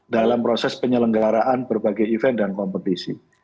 dalam proses penyelenggaraan berbagai event dan kompetisi